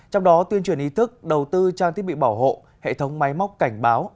trong đó tuyên truyền ý thức đầu tư trang thiết bị bảo hộ hệ thống máy móc cảnh báo